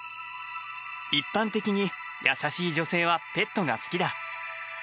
一般的に優しい女性はペットが好きだ。